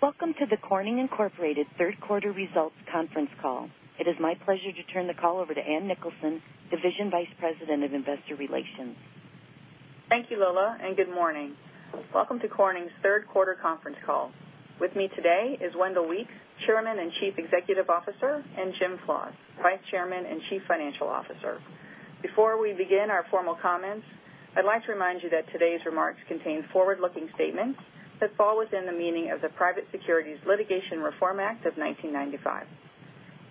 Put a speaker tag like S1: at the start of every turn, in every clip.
S1: Welcome to the Corning Incorporated third quarter results conference call. It is my pleasure to turn the call over to Ann Nicholson, Division Vice President of Investor Relations.
S2: Thank you, Lola, good morning. Welcome to Corning's third quarter conference call. With me today is Wendell Weeks, Chairman and Chief Executive Officer, and James Flaws, Vice Chairman and Chief Financial Officer. Before we begin our formal comments, I'd like to remind you that today's remarks contain forward-looking statements that fall within the meaning of the Private Securities Litigation Reform Act of 1995.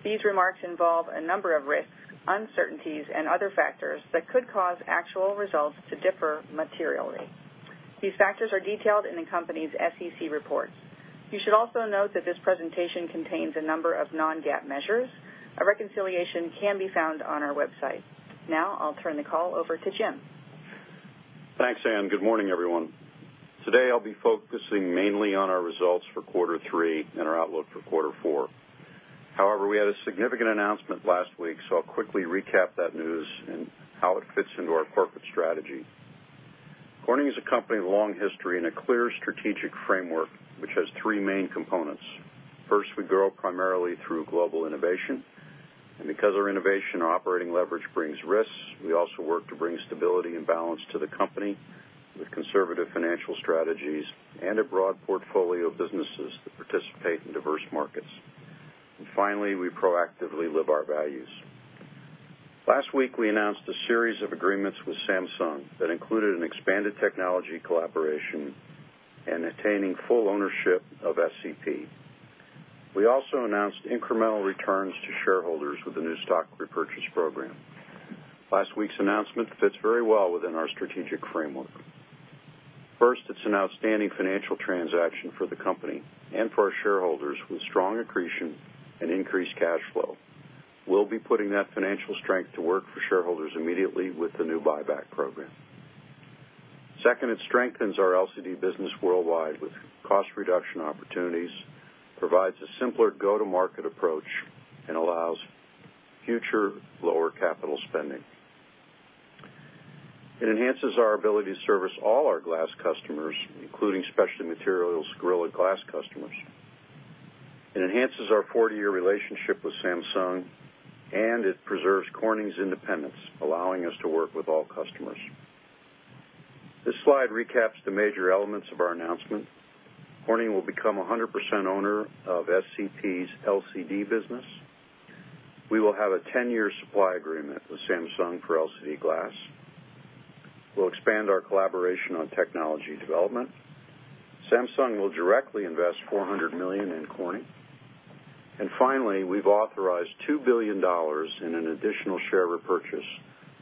S2: These remarks involve a number of risks, uncertainties, and other factors that could cause actual results to differ materially. These factors are detailed in the company's SEC reports. You should also note that this presentation contains a number of non-GAAP measures. A reconciliation can be found on our website. I'll turn the call over to Jim.
S3: Thanks, Ann. Good morning, everyone. Today, I'll be focusing mainly on our results for quarter three and our outlook for quarter four. We had a significant announcement last week, I'll quickly recap that news and how it fits into our corporate strategy. Corning is a company with a long history and a clear strategic framework, which has three main components. First, we grow primarily through global innovation. Because our innovation operating leverage brings risks, we also work to bring stability and balance to the company with conservative financial strategies and a broad portfolio of businesses that participate in diverse markets. Finally, we proactively live our values. Last week, we announced a series of agreements with Samsung that included an expanded technology collaboration and attaining full ownership of SCP. We also announced incremental returns to shareholders with the new stock repurchase program. Last week's announcement fits very well within our strategic framework. First, it's an outstanding financial transaction for the company and for our shareholders with strong accretion and increased cash flow. We'll be putting that financial strength to work for shareholders immediately with the new buyback program. Second, it strengthens our LCD business worldwide with cost reduction opportunities, provides a simpler go-to-market approach, allows future lower capital spending. It enhances our ability to service all our glass customers, including Specialty Materials Gorilla Glass customers. It enhances our 40-year relationship with Samsung, it preserves Corning's independence, allowing us to work with all customers. This slide recaps the major elements of our announcement. Corning will become 100% owner of SCP's LCD business. We will have a 10-year supply agreement with Samsung for LCD glass. We'll expand our collaboration on technology development. Samsung will directly invest $400 million in Corning. Finally, we have authorized $2 billion in an additional share repurchase,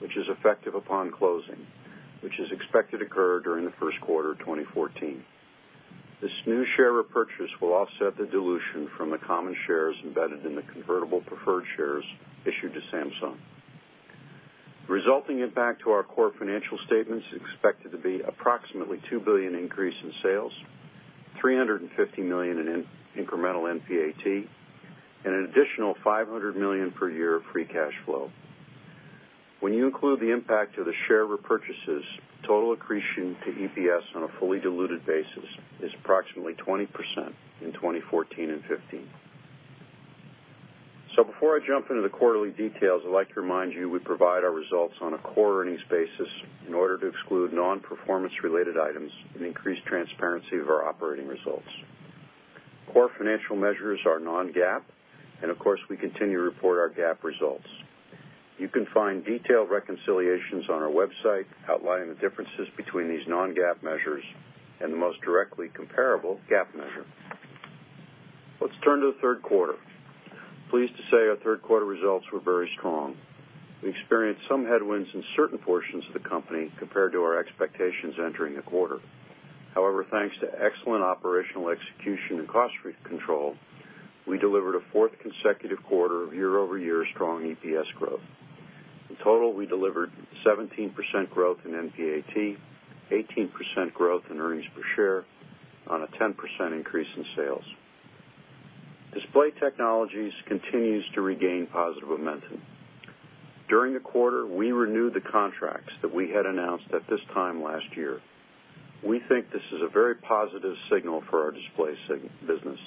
S3: which is effective upon closing, which is expected to occur during the first quarter of 2014. This new share repurchase will offset the dilution from the common shares embedded in the convertible preferred shares issued to Samsung. The resulting impact to our core financial statements is expected to be approximately $2 billion increase in sales, $350 million in incremental NPAT, and an additional $500 million per year of free cash flow. When you include the impact of the share repurchases, total accretion to EPS on a fully diluted basis is approximately 20% in 2014 and 2015. Before I jump into the quarterly details, I would like to remind you we provide our results on a core earnings basis in order to exclude non-performance-related items and increase transparency of our operating results. Core financial measures are non-GAAP, and of course, we continue to report our GAAP results. You can find detailed reconciliations on our website outlining the differences between these non-GAAP measures and the most directly comparable GAAP measure. Let's turn to the third quarter. Pleased to say our third quarter results were very strong. We experienced some headwinds in certain portions of the company compared to our expectations entering the quarter. However, thanks to excellent operational execution and cost control, we delivered a fourth consecutive quarter of year-over-year strong EPS growth. In total, we delivered 17% growth in NPAT, 18% growth in earnings per share on a 10% increase in sales. Display Technologies continues to regain positive momentum. During the quarter, we renewed the contracts that we had announced at this time last year. We think this is a very positive signal for our Display business.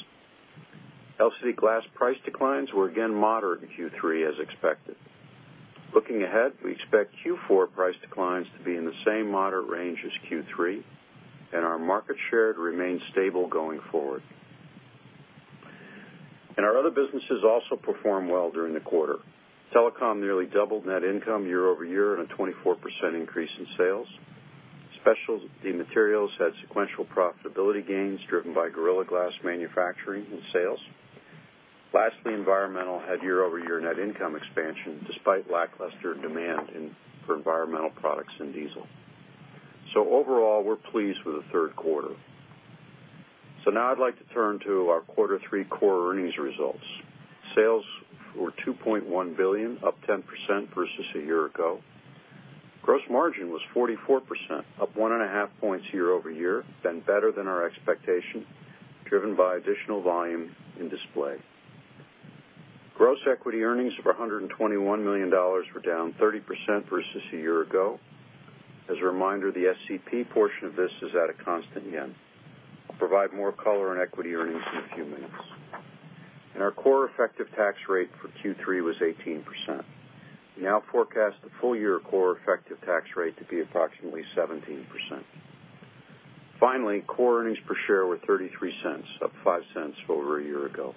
S3: LCD glass price declines were again moderate in Q3 as expected. Looking ahead, we expect Q4 price declines to be in the same moderate range as Q3 and our market share to remain stable going forward. Our other businesses also performed well during the quarter. Optical Communications nearly doubled net income year-over-year on a 24% increase in sales. Specialty Materials had sequential profitability gains driven by Gorilla Glass manufacturing and sales. Lastly, Environmental had year-over-year net income expansion despite lackluster demand for environmental products and diesel. Overall, we are pleased with the third quarter. Now I would like to turn to our quarter three core earnings results. Sales were $2.1 billion, up 10% versus a year ago. Gross margin was 44%, up one and a half points year-over-year, then better than our expectation, driven by additional volume in Display. Gross equity earnings of $121 million were down 30% versus a year ago. As a reminder, the SCP portion of this is at a constant yen. I will provide more color on equity earnings in a few minutes. Our core effective tax rate for Q3 was 18%. We now forecast the full-year core effective tax rate to be approximately 17%. Finally, core earnings per share were $0.33, up $0.05 over a year ago.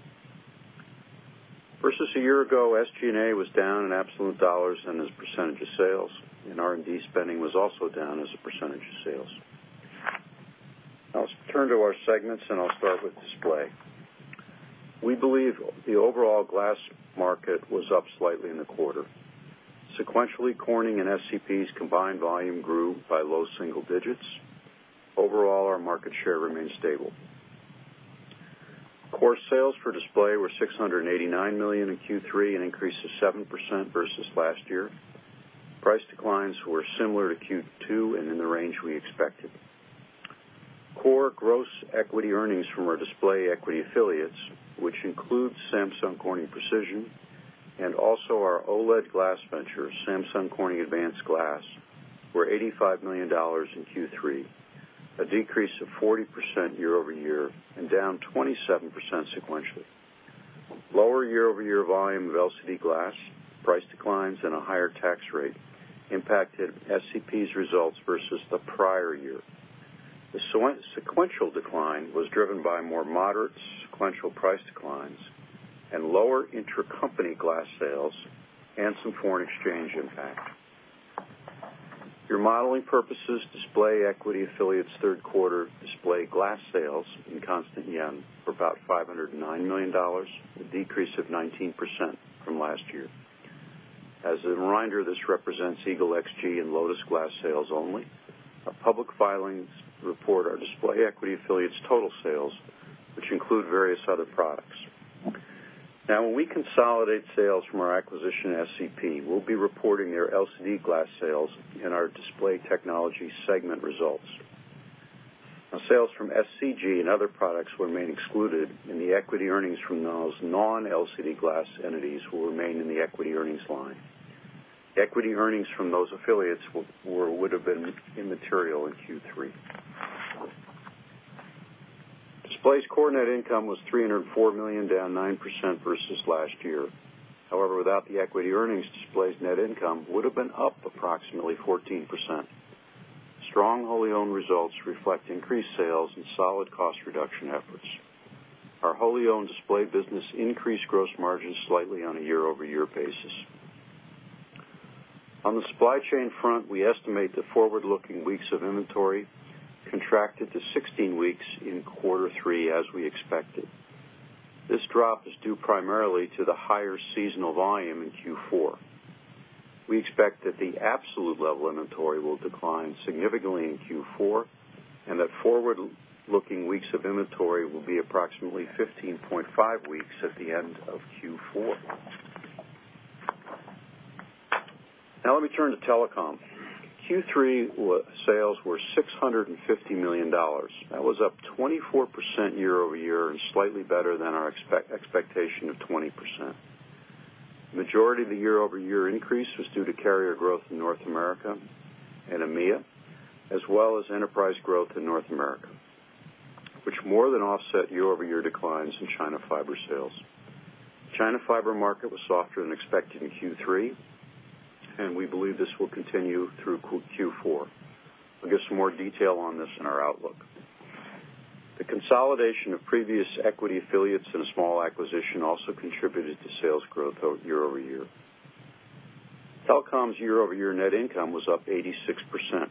S3: Versus a year ago, SG&A was down in absolute dollars and as a percentage of sales, and R&D spending was also down as a percentage of sales. Now let's turn to our segments, and I will start with Display. We believe the overall glass market was up slightly in the quarter. Sequentially, Corning and SCP's combined volume grew by low single digits. Overall, our market share remained stable. Core sales for Display were $689 million in Q3, an increase of 7% versus last year. Price declines were similar to Q2 and in the range we expected. Core gross equity earnings from our Display equity affiliates, which includes Samsung Corning Precision, and also our OLED glass venture, Samsung Corning Advanced Glass, were $85 million in Q3, a decrease of 40% year-over-year and down 27% sequentially. Lower year-over-year volume of LCD glass, price declines, and a higher tax rate impacted SCP's results versus the prior year. The sequential decline was driven by more moderate sequential price declines and lower intracompany glass sales and some foreign exchange impact. For modeling purposes, Display equity affiliates' third quarter Display glass sales in constant JPY were about 509 million, a decrease of 19% from last year. As a reminder, this represents EAGLE XG and Lotus Glass sales only. Our public filings report our Display equity affiliates' total sales, which include various other products. When we consolidate sales from our acquisition SCP, we'll be reporting their LCD glass sales in our Display Technologies segment results. Sales from SCG and other products remain excluded, and the equity earnings from those non-LCD glass entities will remain in the equity earnings line. Equity earnings from those affiliates would've been immaterial in Q3. Display's core net income was $304 million, down 9% versus last year. However, without the equity earnings, Display's net income would've been up approximately 14%. Strong wholly owned results reflect increased sales and solid cost reduction efforts. Our wholly owned Display business increased gross margins slightly on a year-over-year basis. On the supply chain front, we estimate the forward-looking weeks of inventory contracted to 16 weeks in Q3 as we expected. This drop is due primarily to the higher seasonal volume in Q4. We expect that the absolute level of inventory will decline significantly in Q4, and that forward-looking weeks of inventory will be approximately 15.5 weeks at the end of Q4. Let me turn to Optical Communications. Q3 sales were $650 million. That was up 24% year-over-year and slightly better than our expectation of 20%. The majority of the year-over-year increase was due to carrier growth in North America and EMEA, as well as enterprise growth in North America, which more than offset year-over-year declines in China fiber sales. China fiber market was softer than expected in Q3, and we believe this will continue through Q4. I'll give some more detail on this in our outlook. The consolidation of previous equity affiliates and a small acquisition also contributed to sales growth year-over-year. Optical Communications' year-over-year net income was up 86%.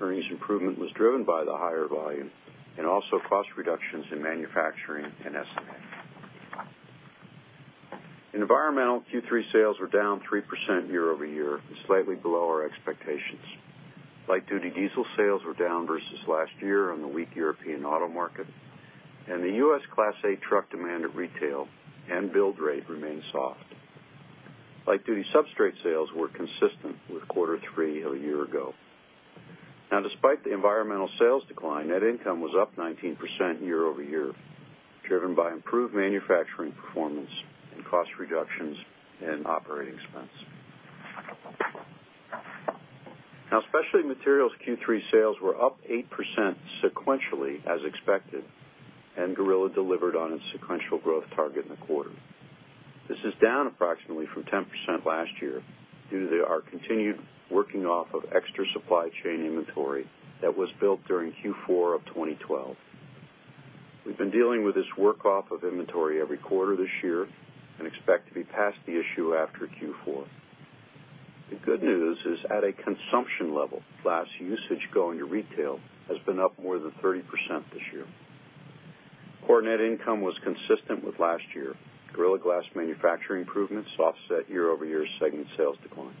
S3: Earnings improvement was driven by the higher volume and also cost reductions in manufacturing and SG&A. In Environmental Technologies, Q3 sales were down 3% year-over-year and slightly below our expectations. Light-duty diesel sales were down versus last year on the weak European auto market, and the U.S. Class A truck demand at retail and build rate remained soft. Light-duty substrate sales were consistent with Q3 a year ago. Despite the Environmental Technologies sales decline, net income was up 19% year-over-year, driven by improved manufacturing performance and cost reductions in operating expense. Specialty Materials Q3 sales were up 8% sequentially as expected, and Gorilla delivered on its sequential growth target in the quarter. This is down approximately from 10% last year due to our continued working off of extra supply chain inventory that was built during Q4 of 2012. We've been dealing with this work off of inventory every quarter this year and expect to be past the issue after Q4. The good news is, at a consumption level, glass usage going to retail has been up more than 30% this year. Core net income was consistent with last year. Gorilla Glass manufacturing improvements offset year-over-year segment sales decline.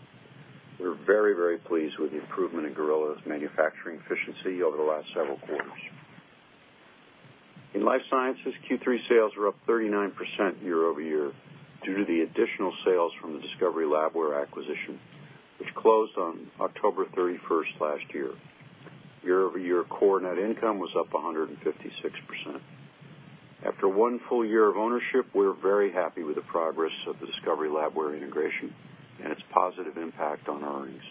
S3: We're very, very pleased with the improvement in Gorilla's manufacturing efficiency over the last several quarters. In Life Sciences, Q3 sales were up 39% year-over-year due to the additional sales from the Discovery Labware acquisition, which closed on October 31st last year. Year-over-year core net income was up 156%. After one full year of ownership, we're very happy with the progress of the Discovery Labware integration and its positive impact on earnings.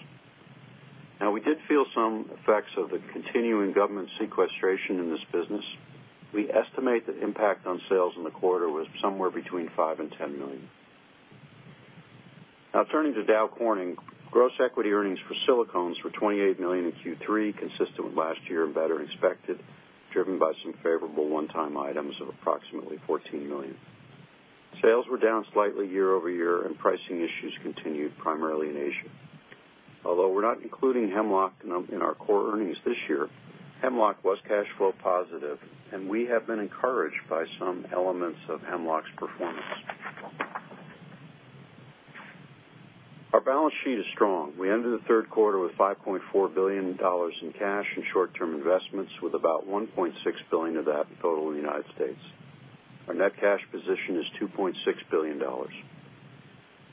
S3: Now, we did feel some effects of the continuing government sequestration in this business. We estimate the impact on sales in the quarter was somewhere between $5 million and $10 million. Now turning to Dow Corning. Gross equity earnings for silicones were $28 million in Q3, consistent with last year and better than expected, driven by some favorable one-time items of approximately $14 million. Sales were down slightly year-over-year and pricing issues continued, primarily in Asia. Although we're not including Hemlock in our core earnings this year, Hemlock was cash flow positive, and we have been encouraged by some elements of Hemlock's performance. Our balance sheet is strong. We ended the third quarter with $5.4 billion in cash and short-term investments, with about $1.6 billion of that total in the U.S. Our net cash position is $2.6 billion.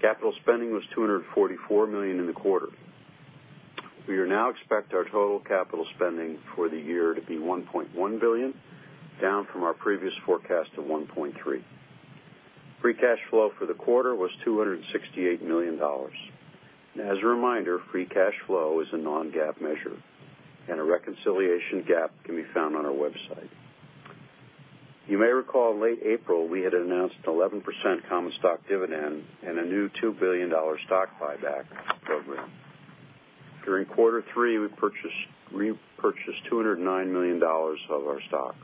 S3: Capital spending was $244 million in the quarter. We now expect our total capital spending for the year to be $1.1 billion, down from our previous forecast of $1.3 billion. Free cash flow for the quarter was $268 million. As a reminder, free cash flow is a non-GAAP measure, and a reconciliation GAAP can be found on our website. You may recall in late April, we had announced an 11% common stock dividend and a new $2 billion stock buyback program. During quarter three, we repurchased $209 million of our stock.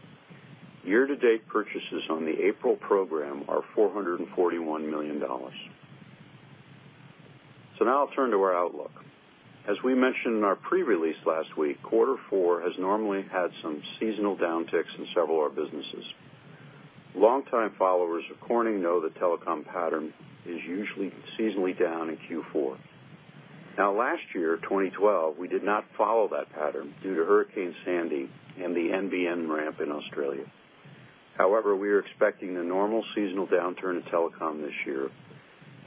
S3: Year-to-date purchases on the April program are $441 million. I'll turn to our outlook. As we mentioned in our pre-release last week, quarter four has normally had some seasonal downticks in several of our businesses. Longtime followers of Corning know the telecom pattern is usually seasonally down in Q4. Now last year, 2012, we did not follow that pattern due to Hurricane Sandy and the NBN ramp in Australia. However, we are expecting a normal seasonal downturn in telecom this year,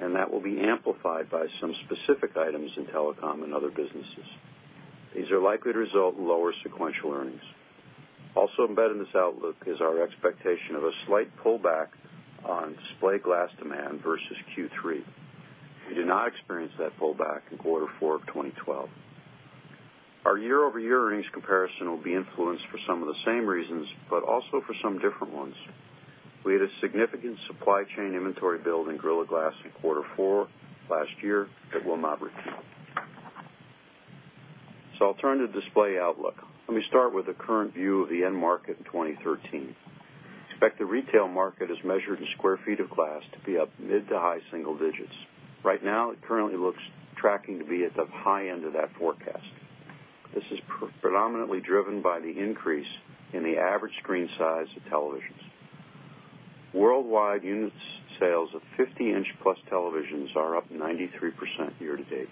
S3: and that will be amplified by some specific items in telecom and other businesses. These are likely to result in lower sequential earnings. Also embedded in this outlook is our expectation of a slight pullback on display glass demand versus Q3. We did not experience that pullback in quarter four of 2012. Our year-over-year earnings comparison will be influenced for some of the same reasons, but also for some different ones. We had a significant supply chain inventory build in Gorilla Glass in quarter four last year that we'll not repeat. I'll turn to the display outlook. Let me start with the current view of the end market in 2013. Expect the retail market as measured in square feet of glass to be up mid to high single digits. Right now it currently looks tracking to be at the high end of that forecast. This is predominantly driven by the increase in the average screen size of televisions. Worldwide unit sales of 50-inch-plus televisions are up 93% year-to-date.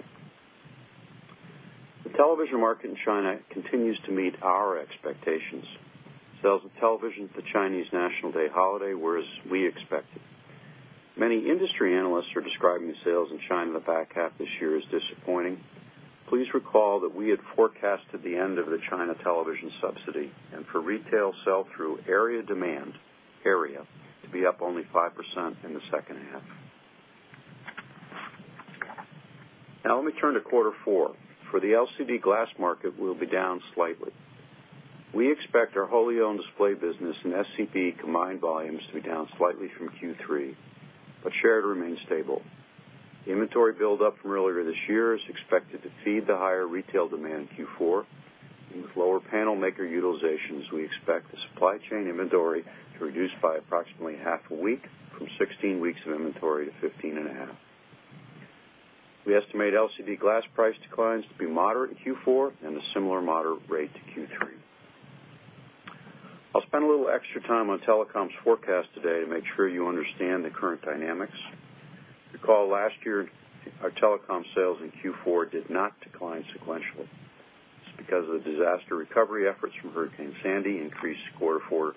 S3: The television market in China continues to meet our expectations. Sales of televisions at the Chinese National Day holiday were as we expected. Many industry analysts are describing the sales in China in the back half this year as disappointing. Please recall that we had forecasted the end of the China television subsidy and for retail sell-through area demand to be up only 5% in the second half. Let me turn to quarter four. For the LCD glass market, we will be down slightly. We expect our wholly-owned Display business and SCP combined volumes to be down slightly from Q3, share to remain stable. The inventory buildup from earlier this year is expected to feed the higher retail demand in Q4. With lower panel maker utilizations, we expect the supply chain inventory to reduce by approximately half a week from 16 weeks of inventory to 15 and a half. We estimate LCD glass price declines to be moderate in Q4 and a similar moderate rate to Q3. I will spend a little extra time on telecom's forecast today to make sure you understand the current dynamics. Recall last year, our telecom sales in Q4 did not decline sequentially. It is because of the disaster recovery efforts from Hurricane Sandy increased quarter four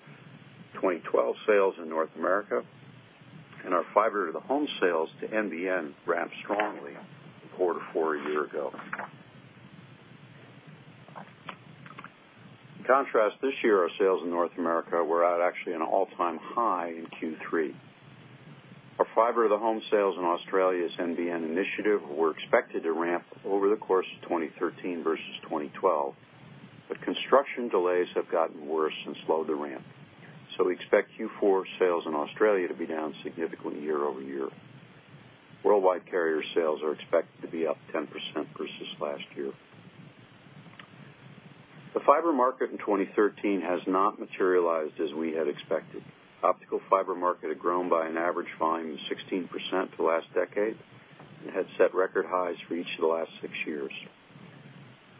S3: 2012 sales in North America, and our fiber-to-the-home sales to NBN ramped strongly in quarter four a year ago. In contrast, this year our sales in North America were actually an all-time high in Q3. Our fiber-to-the-home sales in Australia's NBN initiative were expected to ramp over the course of 2013 versus 2012, construction delays have gotten worse and slowed the ramp. We expect Q4 sales in Australia to be down significantly year-over-year. Worldwide carrier sales are expected to be up 10% versus last year. The fiber market in 2013 has not materialized as we had expected. The optical fiber market had grown by an average volume of 16% for the last decade and had set record highs for each of the last six years.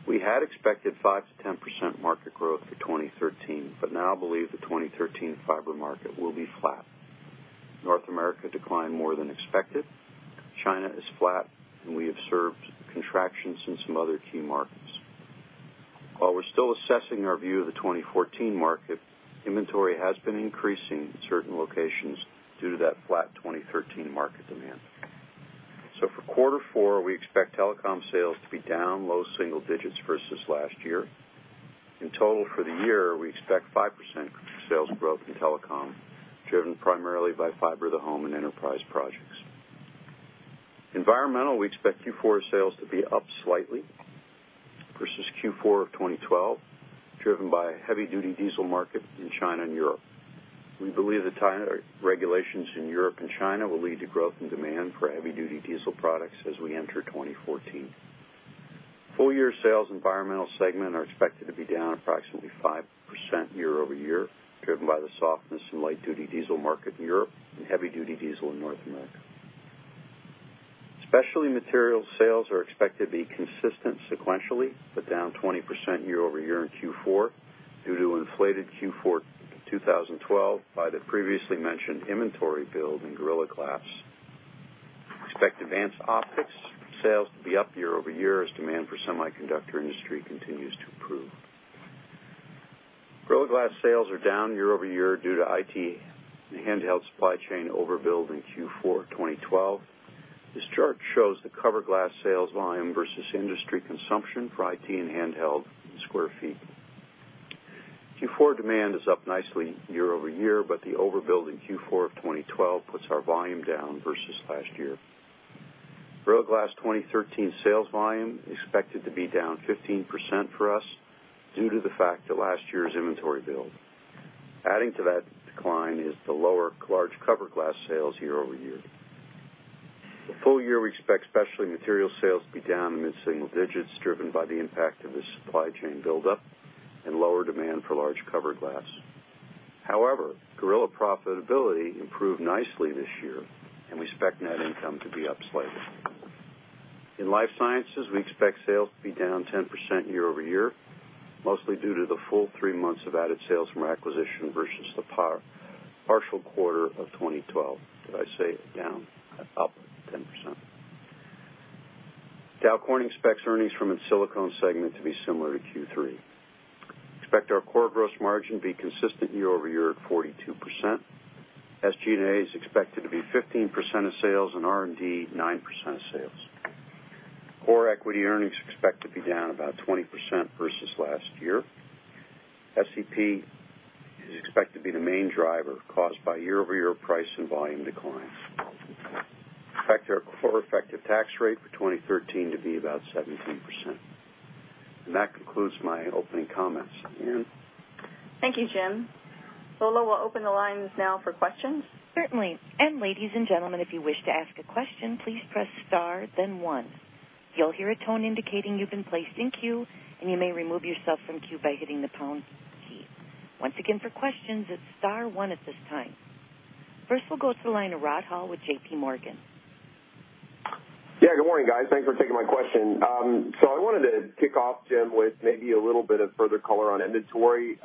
S3: We had expected 5%-10% market growth for 2013, now believe the 2013 fiber market will be flat. North America declined more than expected. China is flat, and we observed contractions in some other key markets. While we are still assessing our view of the 2014 market, inventory has been increasing in certain locations due to that flat 2013 market demand. For quarter four, we expect Telecom sales to be down low single digits versus last year. In total, for the year, we expect 5% sales growth in Telecom, driven primarily by fiber to the home and enterprise projects. Environmental, we expect Q4 sales to be up slightly versus Q4 of 2012, driven by heavy-duty diesel market in China and Europe. We believe the tighter regulations in Europe and China will lead to growth in demand for heavy-duty diesel products as we enter 2014. Full-year sales Environmental segment are expected to be down approximately 5% year-over-year, driven by the softness in light-duty diesel market in Europe and heavy-duty diesel in North America. Specialty Materials sales are expected to be consistent sequentially, but down 20% year-over-year in Q4 due to inflated Q4 2012 by the previously mentioned inventory build in Corning Gorilla Glass. Expect Advanced Optics sales to be up year-over-year as demand for semiconductor industry continues to improve. Corning Gorilla Glass sales are down year-over-year due to IT and handheld supply chain overbuild in Q4 2012. This chart shows the cover glass sales volume versus industry consumption for IT and handheld in sq ft. Q4 demand is up nicely year-over-year, but the overbuild in Q4 of 2012 puts our volume down versus last year. Corning Gorilla Glass 2013 sales volume expected to be down 15% for us due to the fact of last year's inventory build. Adding to that decline is the lower large cover glass sales year-over-year. For full year, we expect Specialty Materials sales to be down in mid-single digits, driven by the impact of the supply chain buildup and lower demand for large cover glass. Gorilla profitability improved nicely this year, and we expect net income to be up slightly. In Life Sciences, we expect sales to be down 10% year-over-year, mostly due to the full three months of added sales from acquisition versus the partial quarter of 2012. Did I say down? Up 10%. Dow Corning expects earnings from its Silicone segment to be similar to Q3. Expect our core gross margin to be consistent year-over-year at 42%. SG&A is expected to be 15% of sales, and R&D 9% of sales. Core equity earnings expect to be down about 20% versus last year. SCP is expected to be the main driver caused by year-over-year price and volume declines. Expect our core effective tax rate for 2013 to be about 17%. That concludes my opening comments. Ann?
S2: Thank you, Jim. Lola will open the lines now for questions.
S1: Certainly. Ladies and gentlemen, if you wish to ask a question, please press star then one. You'll hear a tone indicating you've been placed in queue, and you may remove yourself from queue by hitting the pound key. Once again, for questions, it's star one at this time. First, we'll go to the line of Rod Hall with JPMorgan.
S4: Good morning, guys. Thanks for taking my question. I wanted to kick off, Jim, with maybe a little bit of further color on inventory.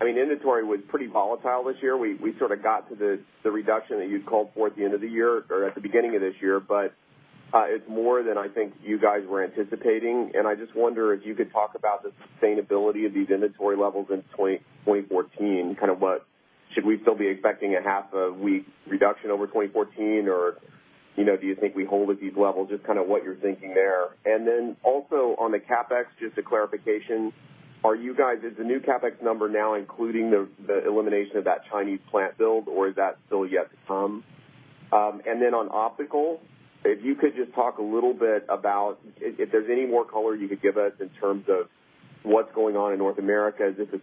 S4: Inventory was pretty volatile this year. We sort of got to the reduction that you'd called for at the beginning of this year, but it's more than I think you guys were anticipating, and I just wonder if you could talk about the sustainability of these inventory levels into 2014. Should we still be expecting a half a week reduction over 2014, or do you think we hold at these levels? Just what you're thinking there. Then also on the CapEx, just a clarification. Is the new CapEx number now including the elimination of that Chinese plant build, or is that still yet to come? Then on Optical, if you could just talk a little bit about if there's any more color you could give us in terms of what's going on in North America. Is this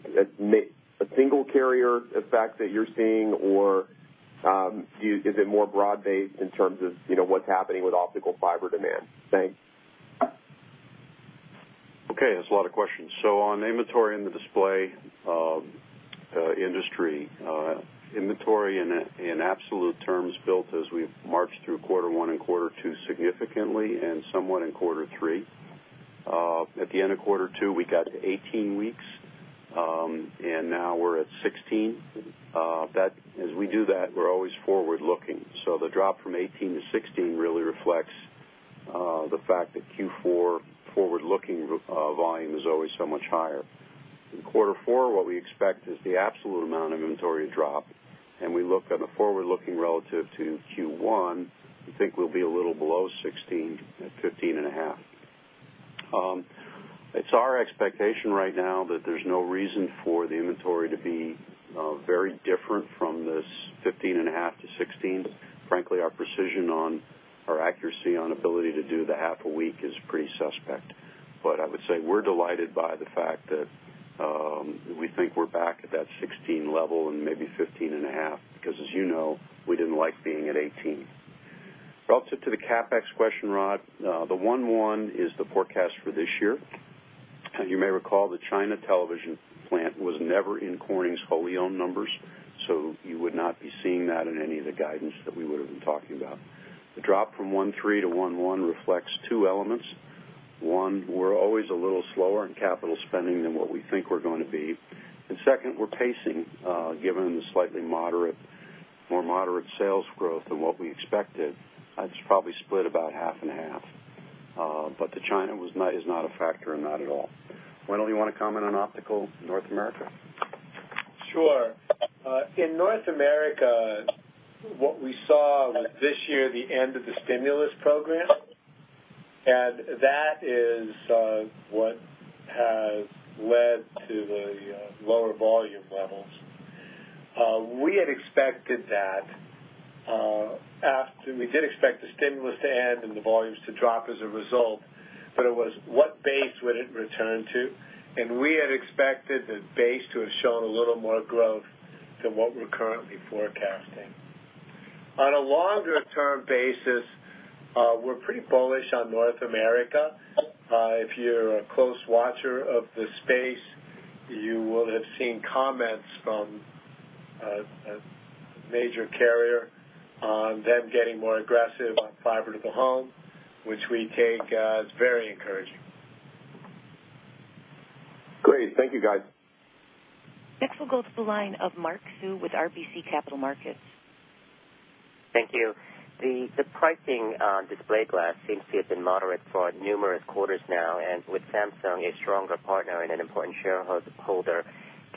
S4: a single carrier effect that you're seeing, or is it more broad-based in terms of what's happening with optical fiber demand? Thanks.
S3: Okay, that's a lot of questions. On inventory in the display industry. Inventory in absolute terms built as we marched through quarter one and quarter two significantly, and somewhat in quarter three. At the end of quarter two, we got to 18 weeks, and now we're at 16. As we do that, we're always forward-looking. The drop from 18 to 16 really reflects the fact that Q4 forward-looking volume is always so much higher. In quarter four, what we expect is the absolute amount of inventory to drop, and we look on the forward-looking relative to Q1. We think we'll be a little below 16 at 15 and a half. It's our expectation right now that there's no reason for the inventory to be very different from this 15 and a half to 16. Frankly, our accuracy on ability to do the half a week is pretty suspect. I would say we're delighted by the fact that we think we're back at that 16 level and maybe 15.5, because as you know, we didn't like being at 18. Relative to the CapEx question, Rod, the $1.1 is the forecast for this year. As you may recall, the China television plant was never in Corning's wholly-owned numbers, so you would not be seeing that in any of the guidance that we would have been talking about. The drop from $1.3 to $1.1 reflects two elements. One, we're always a little slower in capital spending than what we think we're going to be. Second, we're pacing, given the slightly more moderate sales growth than what we expected. That's probably split about half and half. The China is not a factor in that at all. Wendell, you want to comment on Optical North America?
S5: Sure. In North America, what we saw was this year, the end of the stimulus program, that is what has led to the lower volume levels. We had expected that after. We did expect the stimulus to end and the volumes to drop as a result, but it was what base would it return to? We had expected the base to have shown a little more growth than what we're currently forecasting. On a longer-term basis, we're pretty bullish on North America. If you're a close watcher of the space, you will have seen comments from a major carrier on them getting more aggressive on fiber to the home, which we take as very encouraging.
S4: Great. Thank you, guys.
S1: Next we'll go to the line of Mark Sue with RBC Capital Markets.
S6: Thank you. The pricing on display glass seems to have been moderate for numerous quarters now. With Samsung a stronger partner and an important shareholder,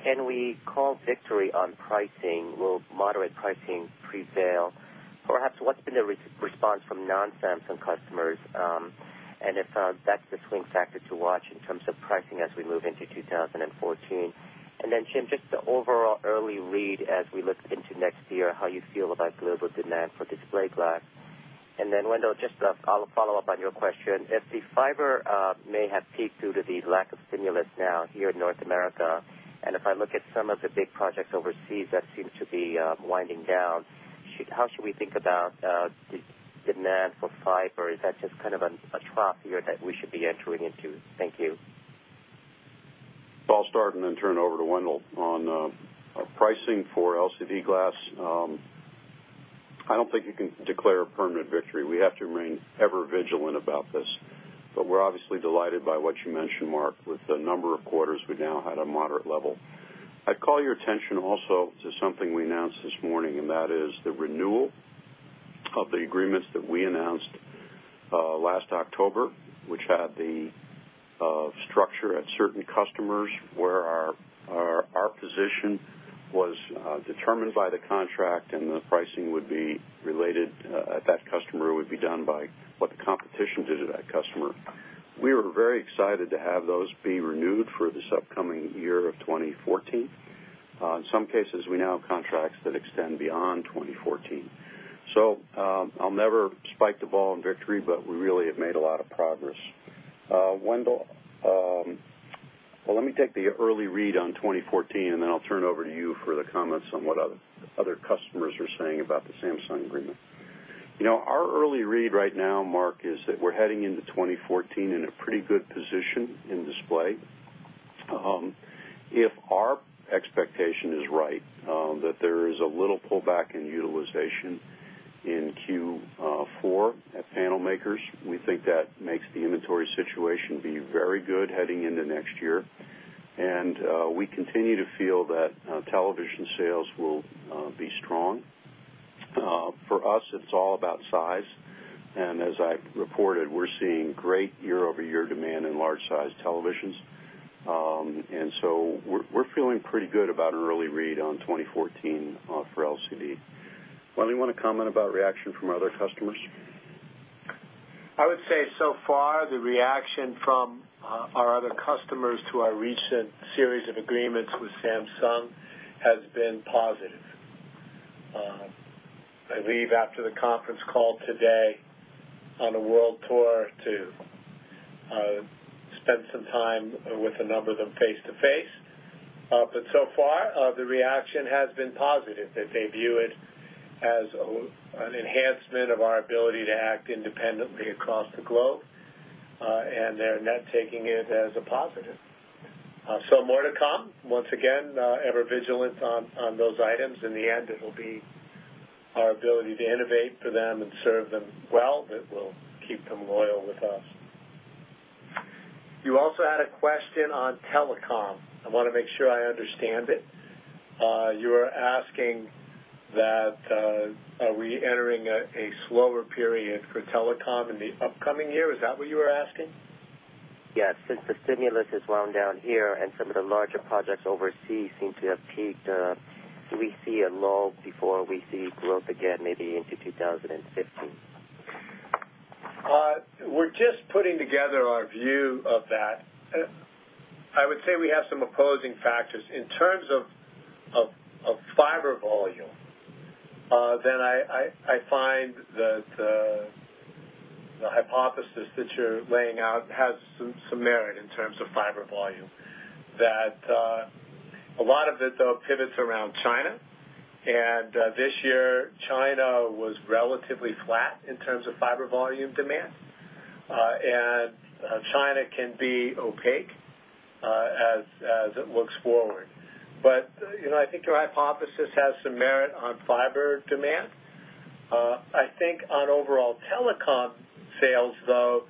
S6: can we call victory on pricing? Will moderate pricing prevail? Perhaps, what's been the response from non-Samsung customers? If that's the swing factor to watch in terms of pricing as we move into 2014. Jim, just the overall early read as we look into next year, how you feel about global demand for display glass. Wendell, just I'll follow up on your question. If the fiber may have peaked due to the lack of stimulus now here in North America, and if I look at some of the big projects overseas, that seems to be winding down. How should we think about the demand for fiber? Is that just kind of a trough here that we should be entering into? Thank you.
S3: I'll start and then turn it over to Wendell. On pricing for LCD Glass, I don't think you can declare a permanent victory. We have to remain ever vigilant about this. We're obviously delighted by what you mentioned, Mark, with the number of quarters we now had a moderate level. I call your attention also to something we announced this morning, and that is the renewal of the agreements that we announced last October, which had the structure at certain customers where our position was determined by the contract and the pricing would be related at that customer would be done by what the competition did to that customer. We were very excited to have those be renewed for this upcoming year of 2014. In some cases, we now have contracts that extend beyond 2014. I'll never spike the ball in victory, but we really have made a lot of progress. Wendell. Let me take the early read on 2014, and then I'll turn over to you for the comments on what other customers are saying about the Samsung agreement. Our early read right now, Mark, is that we're heading into 2014 in a pretty good position in display. If our expectation is right that there is a little pullback in utilization in Q4 at panel makers, we think that makes the inventory situation be very good heading into next year. We continue to feel that television sales will be strong. For us, it's all about size, and as I reported, we're seeing great year-over-year demand in large-sized televisions. We're feeling pretty good about an early read on 2014 for LCD. Wendell, you want to comment about reaction from other customers?
S5: I would say so far, the reaction from our other customers to our recent series of agreements with Samsung has been positive. I leave after the conference call today on a world tour to spend some time with a number of them face-to-face. So far, the reaction has been positive, that they view it as an enhancement of our ability to act independently across the globe. They're net taking it as a positive. More to come, once again, ever vigilant on those items. In the end, it'll be our ability to innovate for them and serve them well that will keep them loyal with us. You also had a question on telecom. I want to make sure I understand it. You are asking that are we entering a slower period for telecom in the upcoming year? Is that what you were asking?
S6: Yes. Since the stimulus has wound down here and some of the larger projects overseas seem to have peaked, do we see a lull before we see growth again, maybe into 2015?
S5: We're just putting together our view of that. I would say we have some opposing factors. In terms of fiber volume, I find that the hypothesis that you're laying out has some merit in terms of fiber volume, that a lot of it, though, pivots around China. This year China was relatively flat in terms of fiber volume demand. China can be opaque as it looks forward. I think your hypothesis has some merit on fiber demand. I think on overall telecom sales, though,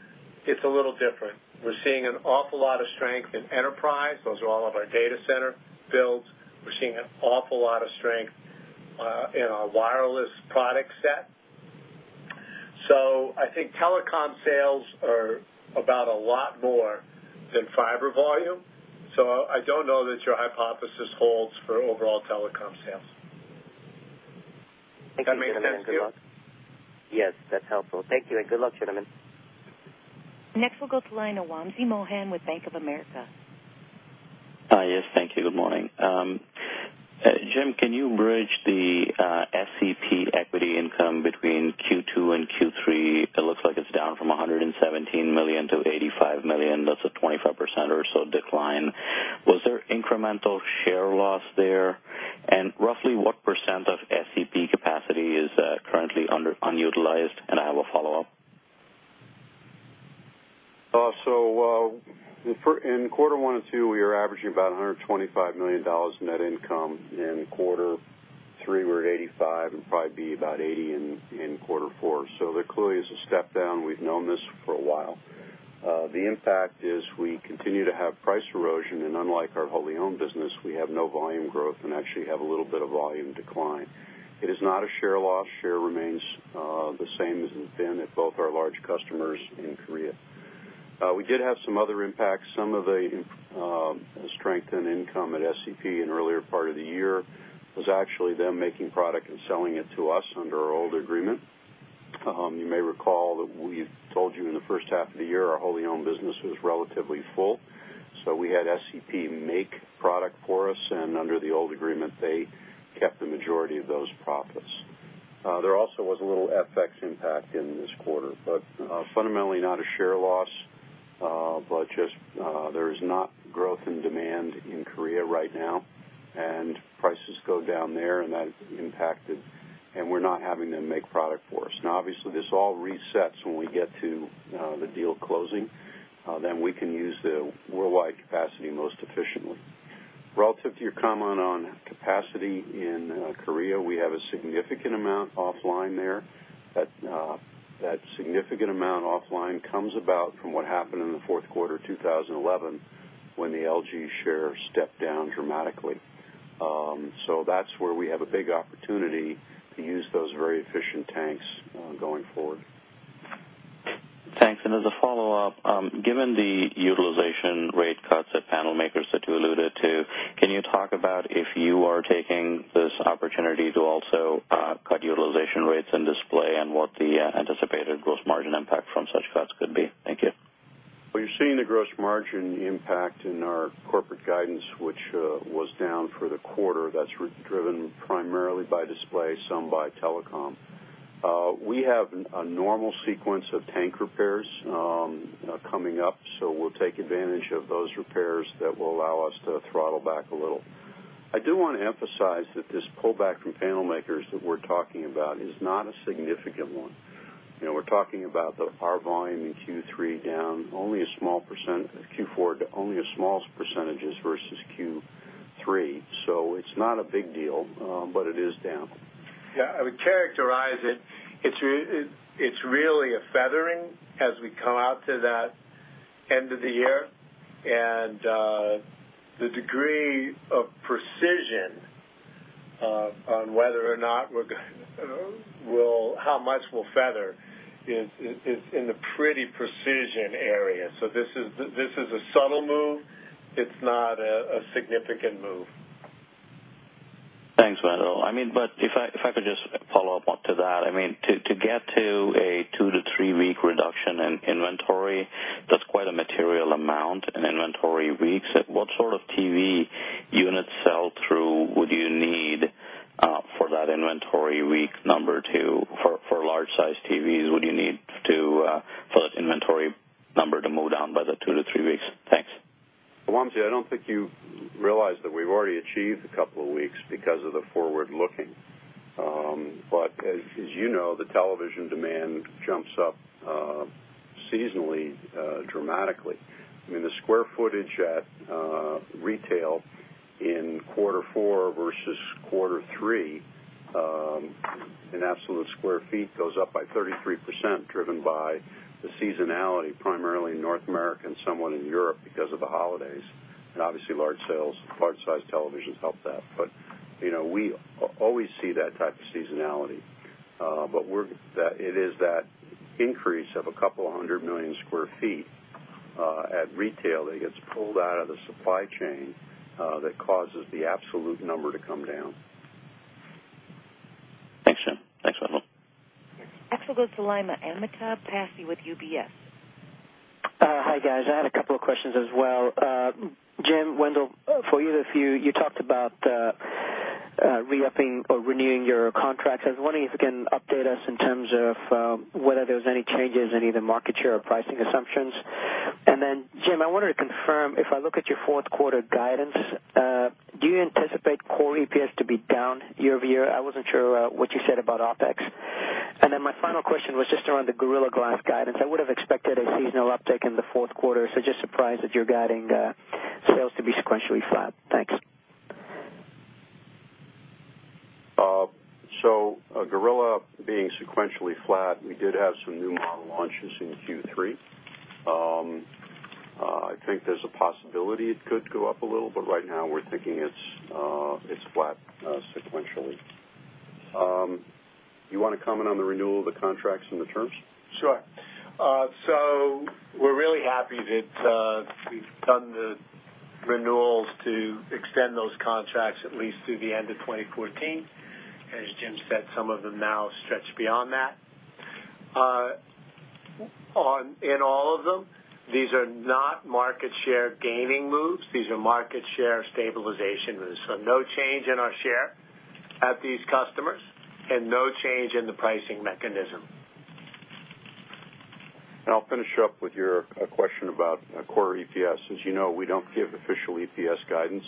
S5: it's a little different. We're seeing an awful lot of strength in enterprise. Those are all of our data center builds. We're seeing an awful lot of strength in our wireless product set. I think telecom sales are about a lot more than fiber volume. I don't know that your hypothesis holds for overall telecom sales.
S6: Thank you.
S5: Does that make sense to you?
S6: Yes, that's helpful. Thank you, and good luck, gentlemen.
S1: Next we'll go to line Wamsi Mohan with Bank of America.
S7: Hi, yes. Thank you. Good morning. Jim, can you bridge the SCP equity income between Q2 and Q3? It looks like it's down from $117 million to $85 million. That's a 25% or so decline. Was there incremental share loss there? Roughly what percent of SCP capacity is currently unutilized? I have a follow-up.
S3: In quarter one and two, we are averaging about $125 million net income. In quarter three, we're at 85, and probably be about 80 in quarter four. There clearly is a step down. We've known this for a while. The impact is we continue to have price erosion, and unlike our wholly owned business, we have no volume growth and actually have a little bit of volume decline. It is not a share loss. Share remains the same as it's been at both our large customers in Korea. We did have some other impacts. Some of the strength in income at SCP in the earlier part of the year was actually them making product and selling it to us under our old agreement. You may recall that we told you in the first half of the year our wholly owned business was relatively full. We had SCP make product for us, and under the old agreement, they kept the majority of those profits. There also was a little FX impact in this quarter, but fundamentally not a share loss. Just there is not growth in demand in Korea right now, and prices go down there and that impacted, and we're not having them make product for us. Obviously this all resets when we get to the deal closing, then we can use the worldwide capacity most efficiently. Relative to your comment on capacity in Korea, we have a significant amount offline there. That significant amount offline comes about from what happened in the fourth quarter 2011 when the LG share stepped down dramatically. That's where we have a big opportunity to use those very efficient tanks going forward.
S7: Thanks. As a follow-up, given the utilization rate cuts at panel makers that you alluded to, can you talk about if you are taking this opportunity to also cut utilization rates in Display, and what the anticipated gross margin impact from such cuts could be? Thank you.
S3: You're seeing the gross margin impact in our corporate guidance, which was down for the quarter. That's driven primarily by Display, some by Telecom. We have a normal sequence of tank repairs coming up, so we'll take advantage of those repairs that will allow us to throttle back a little. I do want to emphasize that this pullback from panel makers that we're talking about is not a significant one. We're talking about our volume in Q4 down only a small percentages versus Q3. It's not a big deal, but it is down.
S5: I would characterize it's really a feathering as we come out to that end of the year. The degree of precision on how much we'll feather is in the pretty precision area. This is a subtle move. It's not a significant move.
S7: Thanks, Wendell. If I could just follow up onto that. To get to a 2-3 week reduction in inventory, that's quite a material amount in inventory weeks. What sort of TV unit sell-through would you need for that inventory week number to for large-sized TVs, would you need for that inventory number to move down by the 2-3 weeks? Thanks.
S3: Wamsi, I don't think you realize that we've already achieved a couple of weeks because of the forward-looking. As you know, the television demand jumps up seasonally, dramatically. The square footage at retail in quarter four versus quarter three, in absolute square feet, goes up by 33%, driven by the seasonality, primarily in North America and somewhat in Europe because of the holidays, and obviously large sales, large-sized televisions help that. We always see that type of seasonality. It is that increase of a couple of hundred million sq ft at retail that gets pulled out of the supply chain that causes the absolute number to come down.
S7: Thanks, Jim. Thanks, Wendell.
S1: Next, we'll go to the line with Amitabh Passi with UBS.
S8: Hi, guys. I had a couple of questions as well. Jim, Wendell, for either of you talked about re-upping or renewing your contracts. I was wondering if you can update us in terms of whether there's any changes in either market share or pricing assumptions. Jim, I wanted to confirm, if I look at your fourth quarter guidance, do you anticipate core EPS to be down year-over-year? I wasn't sure what you said about OpEx. My final question was just around the Gorilla Glass guidance. I would have expected a seasonal uptick in the fourth quarter, so just surprised that you're guiding sales to be sequentially flat. Thanks.
S3: Gorilla being sequentially flat, we did have some new model launches in Q3. I think there's a possibility it could go up a little, but right now we're thinking it's flat sequentially. You want to comment on the renewal of the contracts and the terms?
S5: Sure. We're really happy that we've done the renewals to extend those contracts at least through the end of 2014. As Jim said, some of them now stretch beyond that. In all of them, these are not market share gaining moves. These are market share stabilization moves. No change in our share at these customers and no change in the pricing mechanism.
S3: I'll finish up with your question about core EPS. As you know, we don't give official EPS guidance.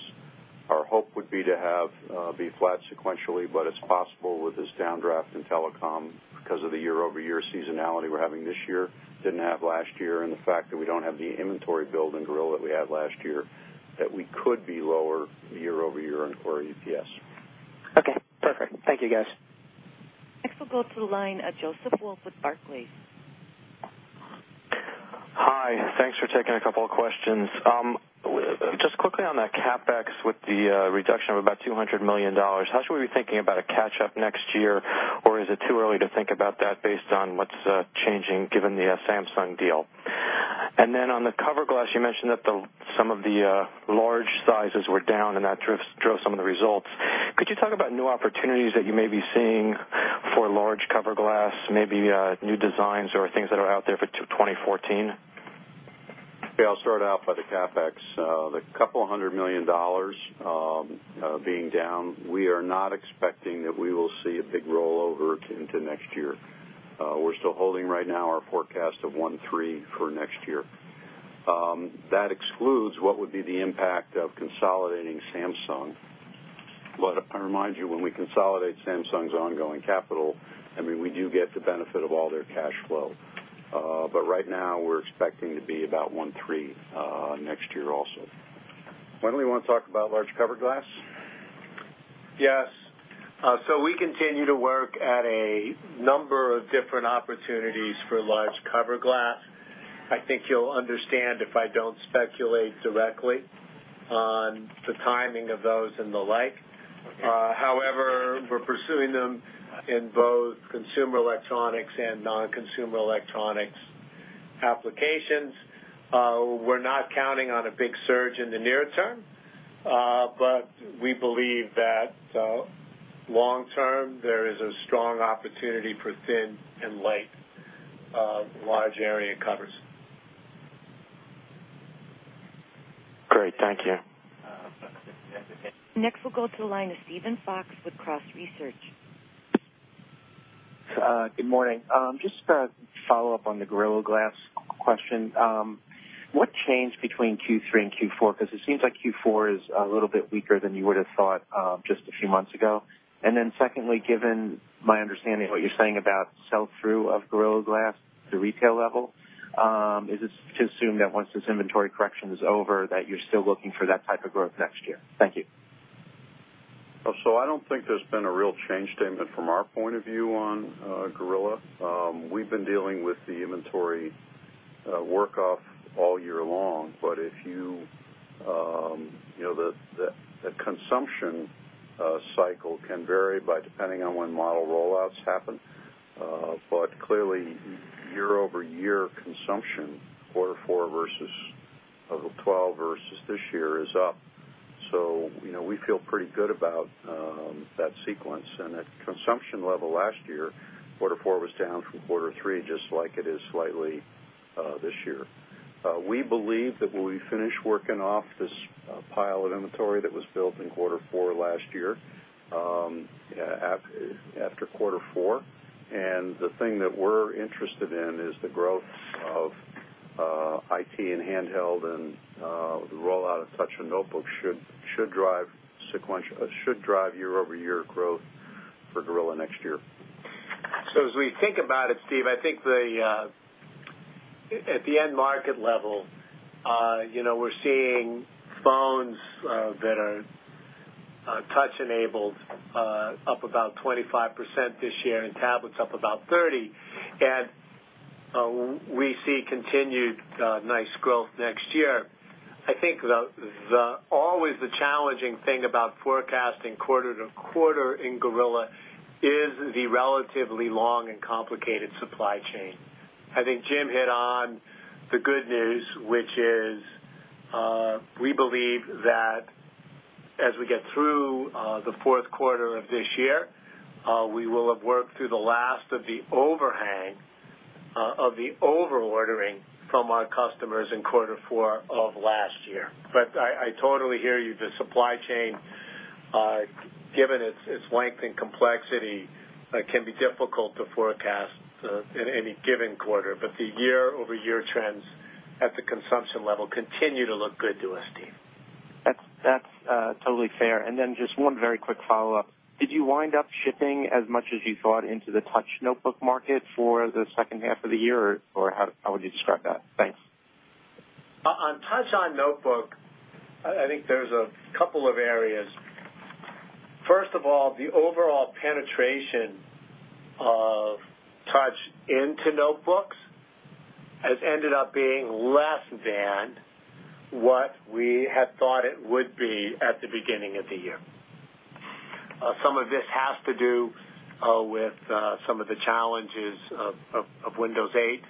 S3: Our hope would be to have it be flat sequentially, but it's possible with this downdraft in telecom, because of the year-over-year seasonality we're having this year, didn't have last year, and the fact that we don't have the inventory build in Gorilla that we had last year, that we could be lower year-over-year in core EPS.
S8: Okay, perfect. Thank you, guys.
S1: Next we'll go to the line of Joseph Wolf with Barclays.
S9: Hi. Thanks for taking a couple of questions. Just quickly on that CapEx with the reduction of about $200 million, how should we be thinking about a catch-up next year, or is it too early to think about that based on what's changing given the Samsung deal? On the cover glass, you mentioned that some of the large sizes were down, and that drove some of the results. Could you talk about new opportunities that you may be seeing for large cover glass, maybe new designs or things that are out there for 2014?
S3: Yeah, I'll start out by the CapEx. The couple of hundred million dollars being down, we are not expecting that we will see a big rollover into next year. We're still holding right now our forecast of one three for next year. That excludes what would be the impact of consolidating Samsung. I remind you, when we consolidate Samsung's ongoing capital, we do get the benefit of all their cash flow. Right now, we're expecting to be about one three next year also. Wendell, you want to talk about large cover glass?
S5: Yes. We continue to work at a number of different opportunities for large cover glass. I think you'll understand if I don't speculate directly on the timing of those and the like.
S9: Okay.
S5: However, we're pursuing them in both consumer electronics and non-consumer electronics applications. We're not counting on a big surge in the near term. We believe that long term, there is a strong opportunity for thin and light large area covers.
S9: Great. Thank you.
S1: Next, we'll go to the line of Steven Fox with Cross Research.
S10: Good morning. Just a follow-up on the Corning Gorilla Glass question. What changed between Q3 and Q4? It seems like Q4 is a little bit weaker than you would've thought just a few months ago. Secondly, given my understanding of what you're saying about sell-through of Corning Gorilla Glass to retail level, is it to assume that once this inventory correction is over, that you're still looking for that type of growth next year? Thank you.
S3: I don't think there's been a real change statement from our point of view on Gorilla. We've been dealing with the inventory work off all year long. The consumption cycle can vary depending on when model rollouts happen. Clearly, year-over-year consumption, quarter four of 2012 versus this year is up. We feel pretty good about that sequence. At consumption level last year, quarter four was down from quarter three, just like it is slightly this year. We believe that when we finish working off this pile of inventory that was built in quarter four last year, after quarter four, and the thing that we're interested in is the growth of IT and handheld and the rollout of touch on notebooks should drive year-over-year growth for Gorilla next year.
S5: As we think about it, Steve, I think at the end market level we are seeing phones that are touch-enabled up about 25% this year, and tablets up about 30%. We see continued nice growth next year. I think always the challenging thing about forecasting quarter-to-quarter in Gorilla is the relatively long and complicated supply chain. I think Jim hit on the good news, which is we believe that as we get through the fourth quarter of this year, we will have worked through the last of the overhang of the over-ordering from our customers in fourth quarter of last year. I totally hear you. The supply chain, given its length and complexity, can be difficult to forecast in any given quarter. The year-over-year trends at the consumption level continue to look good to us, Steve.
S10: That is totally fair. Just one very quick follow-up. Did you wind up shipping as much as you thought into the touch notebook market for the second half of the year, or how would you describe that? Thanks.
S5: On touch on notebook, I think there is a couple of areas. First of all, the overall penetration into notebooks has ended up being less than what we had thought it would be at the beginning of the year. Some of this has to do with some of the challenges of Windows 8.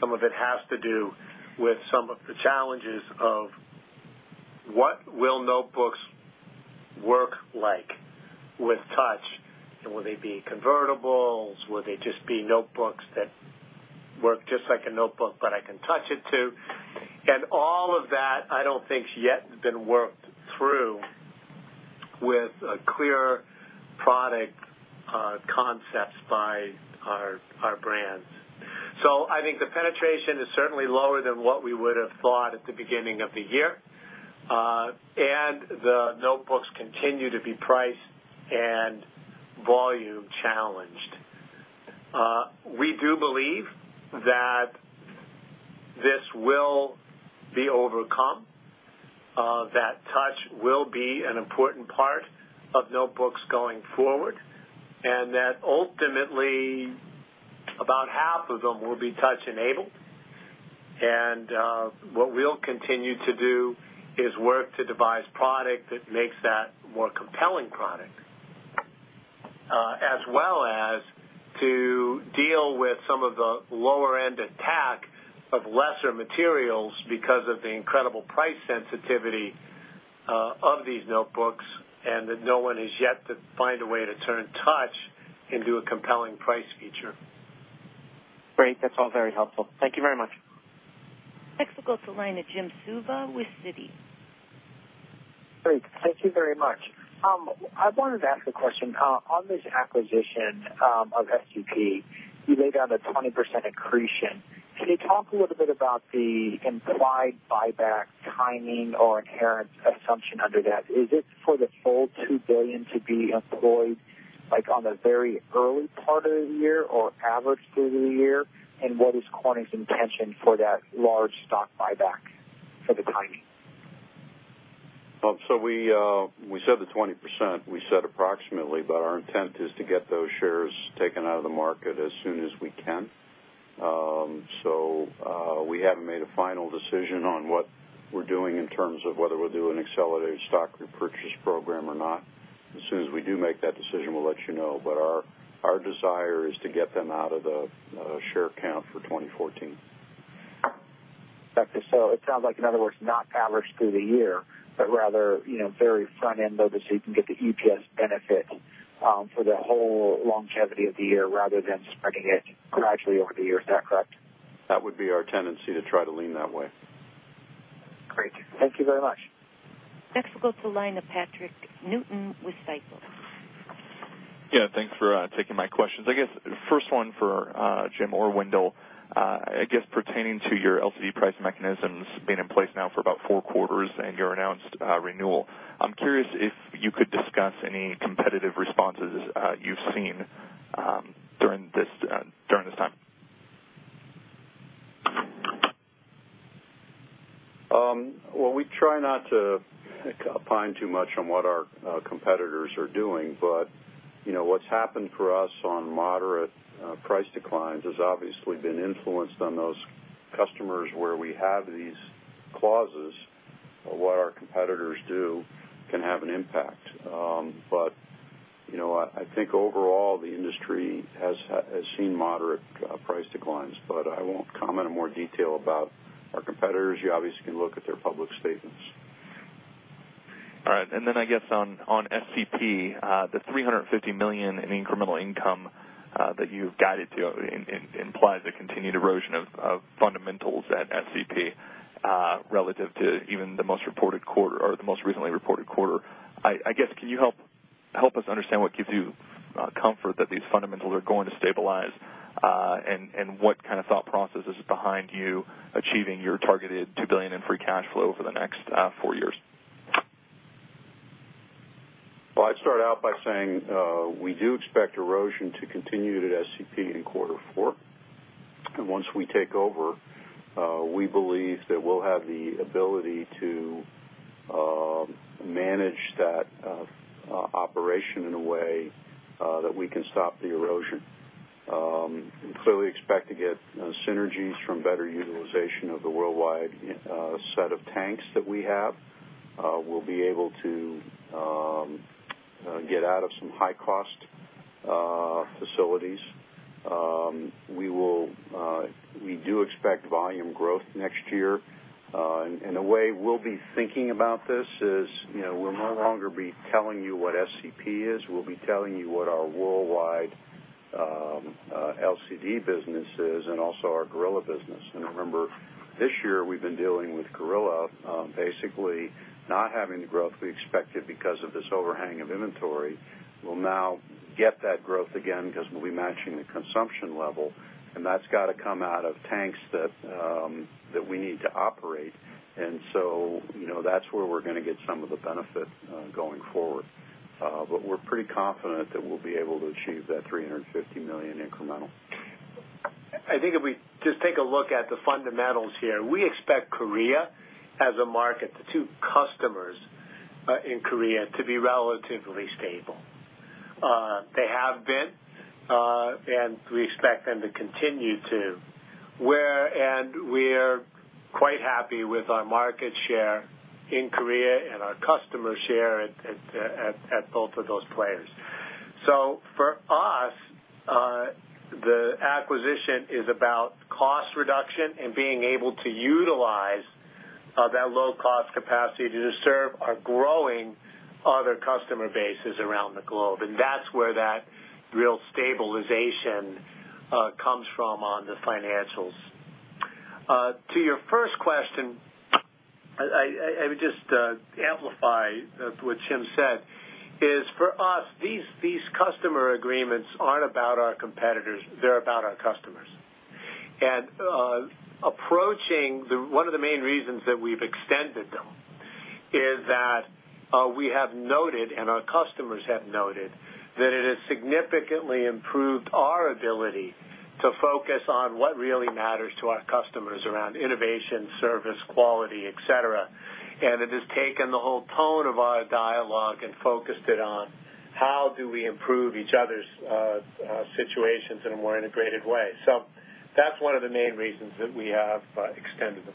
S5: Some of it has to do with some of the challenges of what will notebooks work like with touch, and will they be convertibles? Will they just be notebooks that work just like a notebook, but I can touch it, too? All of that I do not think is yet been worked through with clear product concepts by our brands. I think the penetration is certainly lower than what we would have thought at the beginning of the year. The notebooks continue to be price and volume challenged. We do believe that this will be overcome, that touch will be an important part of notebooks going forward, and that ultimately about half of them will be touch-enabled. What we will continue to do is work to devise product that makes that more compelling product, as well as to deal with some of the lower-end attack of lesser materials because of the incredible price sensitivity of these notebooks, and that no one has yet to find a way to turn touch into a compelling price feature.
S10: Great. That's all very helpful. Thank you very much.
S1: Next, we'll go to the line of Jim Suva with Citi.
S11: Great. Thank you very much. I wanted to ask a question. On this acquisition of SCP, you laid out a 20% accretion. Can you talk a little bit about the implied buyback timing or inherent assumption under that? Is it for the full $2 billion to be employed, like on the very early part of the year or averaged through the year? What is Corning's intention for that large stock buyback for the timing?
S3: We said the 20%, we said approximately, our intent is to get those shares taken out of the market as soon as we can. We haven't made a final decision on what we're doing in terms of whether we'll do an accelerated stock repurchase program or not. As soon as we do make that decision, we'll let you know. Our desire is to get them out of the share count for 2014.
S11: Okay. It sounds like, in other words, not averaged through the year, but rather very front end load it so you can get the EPS benefit for the whole longevity of the year rather than spreading it gradually over the year. Is that correct?
S3: That would be our tendency to try to lean that way.
S11: Great. Thank you very much.
S1: Next, we'll go to the line of Patrick Newton with Citigroup.
S12: Yeah, thanks for taking my questions. I guess the first one for Jim or Wendell, I guess pertaining to your LCD price mechanisms being in place now for about four quarters and your announced renewal. I'm curious if you could discuss any competitive responses you've seen during this time.
S3: Well, we try not to opine too much on what our competitors are doing. What's happened for us on moderate price declines has obviously been influenced on those customers where we have these clauses. What our competitors do can have an impact. I think overall, the industry has seen moderate price declines, but I won't comment in more detail about our competitors. You obviously can look at their public statements.
S12: All right. I guess on SCP, the $350 million in incremental income that you've guided to implies a continued erosion of fundamentals at SCP relative to even the most recently reported quarter. I guess, can you help us understand what gives you comfort that these fundamentals are going to stabilize, and what kind of thought process is behind you achieving your targeted $2 billion in free cash flow over the next four years?
S3: Well, I'd start out by saying we do expect erosion to continue at SCP in quarter four. Once we take over, we believe that we'll have the ability to manage that operation in a way that we can stop the erosion. We clearly expect to get synergies from better utilization of the worldwide set of tanks that we have. We'll be able to get out of some high-cost facilities. We do expect volume growth next year. The way we'll be thinking about this is, we'll no longer be telling you what SCP is. We'll be telling you what our worldwide LCD business is and also our Gorilla business. Remember, this year, we've been dealing with Gorilla basically not having the growth we expected because of this overhang of inventory. We'll now get that growth again because we'll be matching the consumption level, and that's got to come out of tanks that we need to operate. That's where we're going to get some of the benefit going forward. We're pretty confident that we'll be able to achieve that $350 million incremental.
S5: I think if we just take a look at the fundamentals here, we expect Korea as a market to customers in Korea to be relatively stable. They have been, we expect them to continue to. We're quite happy with our market share in Korea and our customer share at both of those players. For us, the acquisition is about cost reduction and being able to utilize that low-cost capacity to serve our growing other customer bases around the globe. That's where that real stabilization comes from on the financials. To your first question, I would just amplify what Jim said, is for us, these customer agreements aren't about our competitors, they're about our customers. Approaching one of the main reasons that we've extended them is that we have noted, and our customers have noted, that it has significantly improved our ability to focus on what really matters to our customers around innovation, service, quality, et cetera. It has taken the whole tone of our dialogue and focused it on how do we improve each other's situations in a more integrated way. That's one of the main reasons that we have extended them.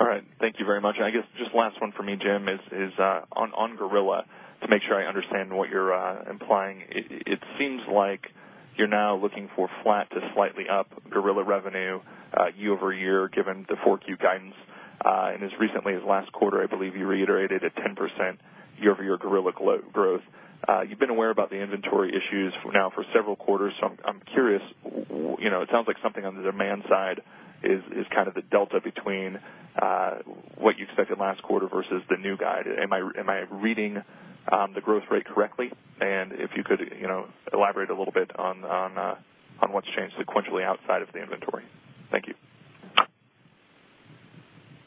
S12: All right. Thank you very much. I guess just last one for me, Jim, is on Gorilla, to make sure I understand what you're implying. It seems like you're now looking for flat to slightly up Gorilla revenue year-over-year, given the 4Q guidance. As recently as last quarter, I believe you reiterated a 10% year-over-year Gorilla growth. You've been aware about the inventory issues now for several quarters, I'm curious, it sounds like something on the demand side is kind of the delta between what you expected last quarter versus the new guide. Am I reading the growth rate correctly? If you could elaborate a little bit on what's changed sequentially outside of the inventory. Thank you.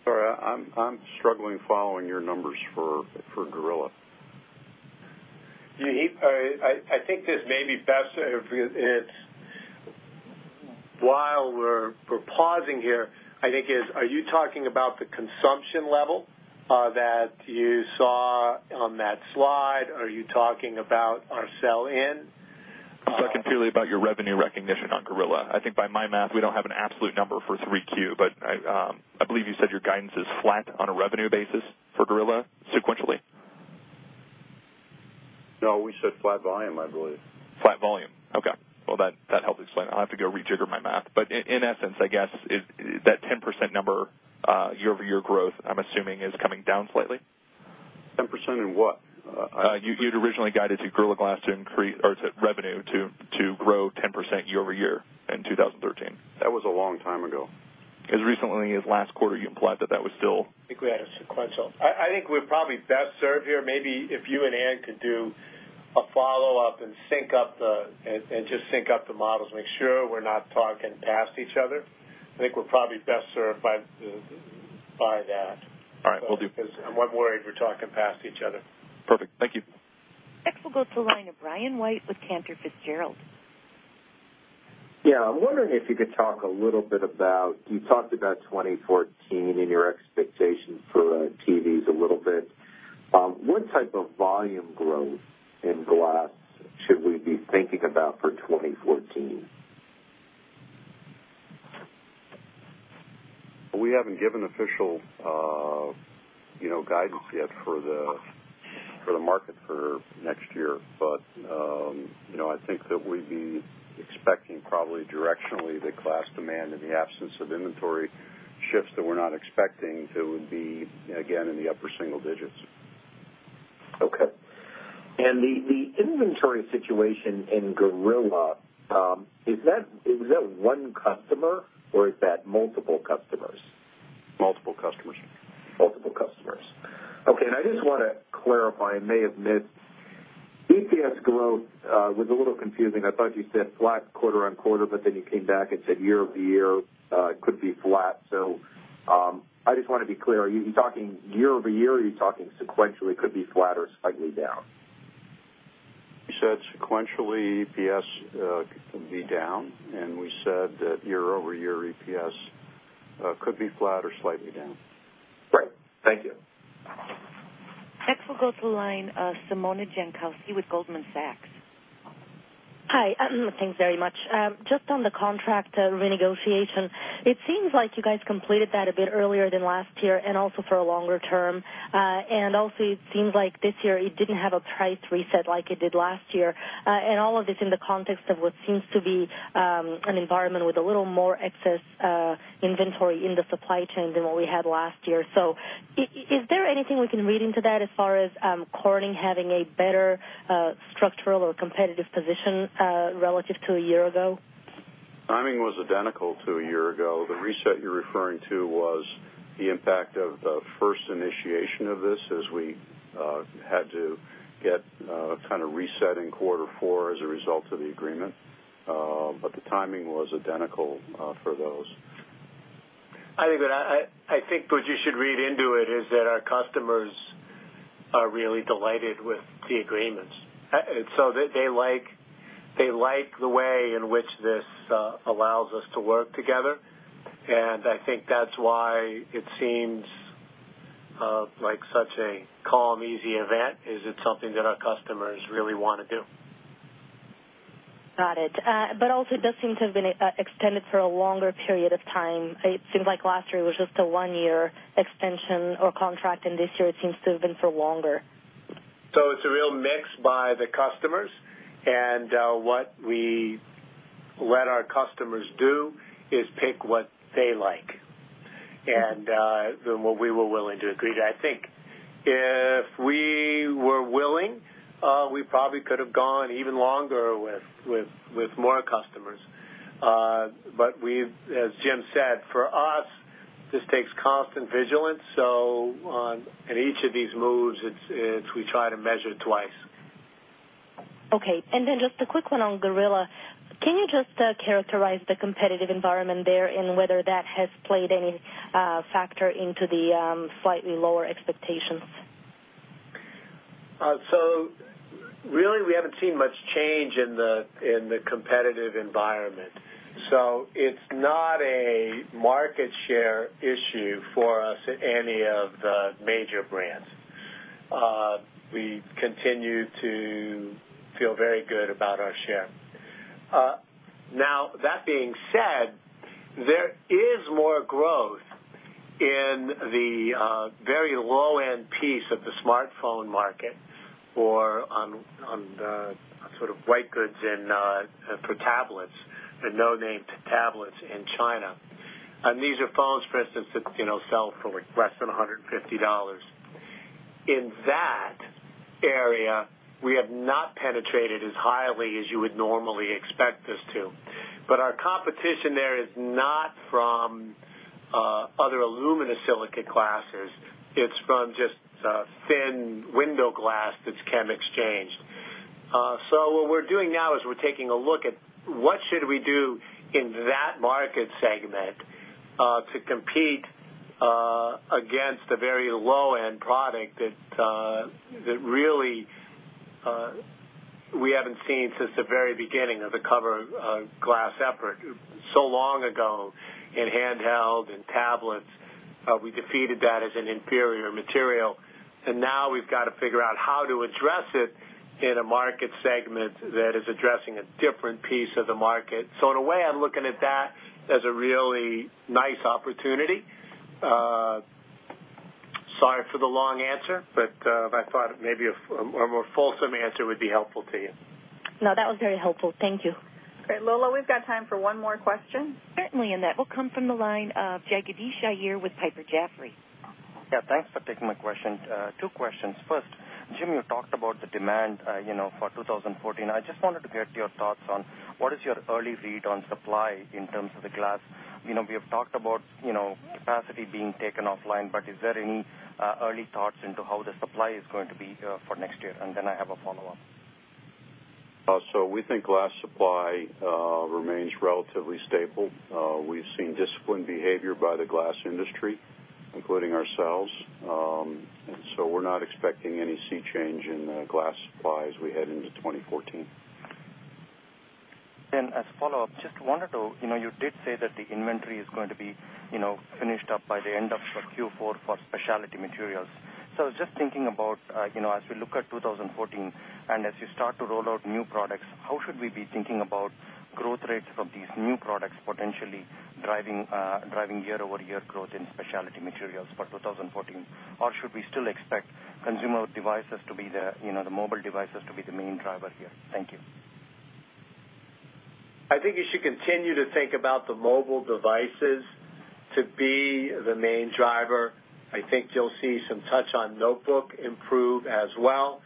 S3: Sorry, I'm struggling following your numbers for Gorilla.
S5: I think this may be best if while we're pausing here, I think, are you talking about the consumption level that you saw on that slide? Are you talking about our sell-in?
S12: I'm talking purely about your revenue recognition on Gorilla. I think by my math, we don't have an absolute number for 3Q, but I believe you said your guidance is flat on a revenue basis for Gorilla sequentially.
S3: No, we said flat volume, I believe.
S12: Flat volume. Okay. That helps explain. I'll have to go rejigger my math. In essence, I guess, that 10% number year-over-year growth, I'm assuming, is coming down slightly?
S3: 10% in what?
S12: You'd originally guided Gorilla Glass revenue to grow 10% year-over-year in 2013.
S3: That was a long time ago.
S12: As recently as last quarter, you implied that that was.
S5: I think we had a sequential. I think we're probably best served here, maybe if you and Anne could do a follow-up and just sync up the models, make sure we're not talking past each other. I think we're probably best served by that.
S12: All right, will do.
S5: I'm worried we're talking past each other.
S12: Perfect. Thank you.
S1: Next we'll go to the line of Brian White with Cantor Fitzgerald.
S13: Yeah. I'm wondering if you could talk a little bit about, you talked about 2014 and your expectations for TVs a little bit. What type of volume growth in glass should we be thinking about for 2014?
S3: We haven't given official guidance yet for the market for next year. I think that we'd be expecting probably directionally the glass demand in the absence of inventory shifts that we're not expecting to be, again, in the upper single digits.
S13: Okay. The inventory situation in Gorilla, is that one customer or is that multiple customers?
S3: Multiple customers.
S13: Multiple customers. Okay, I just want to clarify, I may have missed. EPS growth was a little confusing. I thought you said flat quarter-on-quarter, but then you came back and said year-over-year could be flat. I just want to be clear, are you talking year-over-year or are you talking sequentially could be flat or slightly down?
S3: We said sequentially EPS could be down, and we said that year-over-year EPS could be flat or slightly down.
S13: Great. Thank you.
S1: Next we'll go to the line of Simona Jankowski with Goldman Sachs.
S14: Hi. Thanks very much. Just on the contract renegotiation, it seems like you guys completed that a bit earlier than last year and also for a longer term. Also it seems like this year it didn't have a price reset like it did last year. All of this in the context of what seems to be an environment with a little more excess inventory in the supply chain than what we had last year. Is there anything we can read into that as far as Corning having a better structural or competitive position relative to a year ago?
S3: Timing was identical to a year ago. The reset you're referring to was the impact of the first initiation of this as we had to get a kind of reset in quarter four as a result of the agreement. The timing was identical for those.
S5: I think what you should read into it is that our customers are really delighted with the agreements. They like the way in which this allows us to work together, and I think that's why it seems like such a calm, easy event, is it's something that our customers really want to do.
S14: Got it. Also it does seem to have been extended for a longer period of time. It seems like last year was just a one-year extension or contract, and this year it seems to have been for longer.
S5: It's a real mix by the customers, and what we let our customers do is pick what they like, and then what we were willing to agree to. I think if we were willing, we probably could have gone even longer with more customers. As Jim said, for us, this takes constant vigilance, on each of these moves, we try to measure twice.
S14: Okay, just a quick one on Gorilla. Can you just characterize the competitive environment there and whether that has played any factor into the slightly lower expectations?
S5: Really we haven't seen much change in the competitive environment. It's not a market share issue for us at any of the major brands. We continue to feel very good about our share. Now, that being said, there is more growth in the very low-end piece of the smartphone market or on the white goods and for tablets, the no-name tablets in China. These are phones, for instance, that sell for less than $150. In that area, we have not penetrated as highly as you would normally expect us to. Our competition there is not from other aluminosilicate glasses, it's from just thin window glass that's chem-exchanged. What we're doing now is we're taking a look at what should we do in that market segment, to compete against a very low-end product that really we haven't seen since the very beginning of the cover glass effort so long ago in handheld and tablets. We defeated that as an inferior material, now we've got to figure out how to address it in a market segment that is addressing a different piece of the market. In a way, I'm looking at that as a really nice opportunity. Sorry for the long answer, I thought maybe a more fulsome answer would be helpful to you.
S14: No, that was very helpful. Thank you.
S2: Great, Lola, we've got time for one more question.
S1: Certainly, Ann? Will come from the line of Jagadish Iyer with Piper Jaffray.
S15: Yeah, thanks for taking my question. Two questions. First, Jim, you talked about the demand for 2014. I just wanted to get your thoughts on what is your early read on supply in terms of the glass. We have talked about capacity being taken offline, but is there any early thoughts into how the supply is going to be for next year? Then I have a follow-up.
S3: We think glass supply remains relatively stable. We've seen disciplined behavior by the glass industry, including ourselves. We're not expecting any sea change in glass supply as we head into 2014.
S15: As follow-up, you did say that the inventory is going to be finished up by the end of Q4 for Specialty Materials. I was just thinking about, as we look at 2014, and as you start to roll out new products, how should we be thinking about growth rates of these new products potentially driving year-over-year growth in Specialty Materials for 2014? Should we still expect consumer devices, the mobile devices, to be the main driver here? Thank you.
S5: I think you should continue to think about the mobile devices to be the main driver. I think you'll see some touch on notebook improve as well.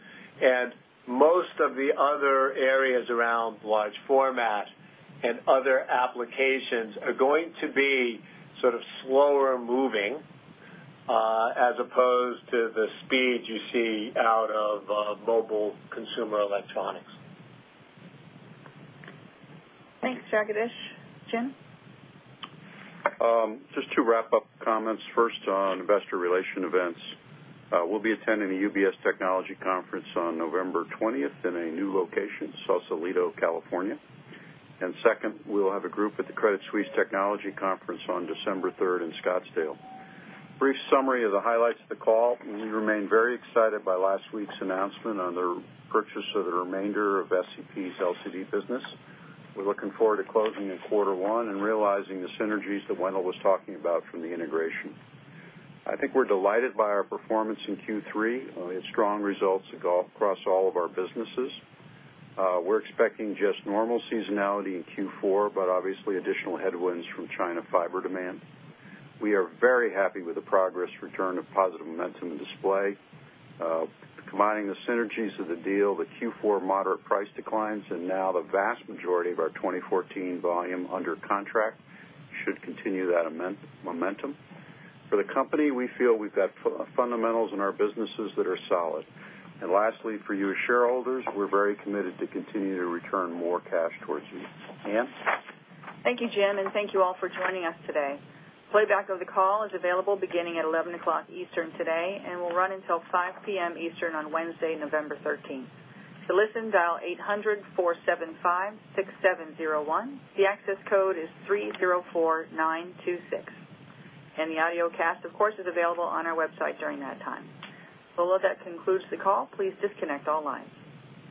S5: Most of the other areas around large format and other applications are going to be slower moving, as opposed to the speed you see out of mobile consumer electronics.
S2: Thanks, Jagadish. Jim?
S3: Just two wrap-up comments. First, on investor relation events. We'll be attending a UBS technology conference on November 20th in a new location, Sausalito, California. Second, we will have a group at the Credit Suisse technology conference on December 3rd in Scottsdale. Brief summary of the highlights of the call. We remain very excited by last week's announcement on the purchase of the remainder of SCP's LCD business. We're looking forward to closing in quarter one and realizing the synergies that Wendell was talking about from the integration. I think we're delighted by our performance in Q3. We had strong results across all of our businesses. We're expecting just normal seasonality in Q4, but obviously additional headwinds from China fiber demand. We are very happy with the progress return of positive momentum in display. Combining the synergies of the deal, the Q4 moderate price declines, and now the vast majority of our 2014 volume under contract should continue that momentum. For the company, we feel we've got fundamentals in our businesses that are solid. Lastly, for you as shareholders, we're very committed to continue to return more cash towards you. Anne?
S2: Thank you, Jim, and thank you all for joining us today. Playback of the call is available beginning at 11:00 Eastern today and will run until 5:00 P.M. Eastern on Wednesday, November 13th. To listen, dial 800-475-6701. The access code is 304926. The audiocast, of course, is available on our website during that time. Well, that concludes the call. Please disconnect all lines.